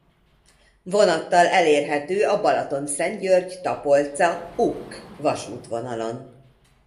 Vonattal elérhető a Balatonszentgyörgy–Tapolca–Ukk-vasútvonalon.